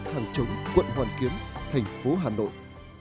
hàng chống quận hoàn kiến thành phố hà nội